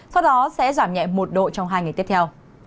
sau đó sẽ giảm nhẹ một độ trong hai ngày tiếp theo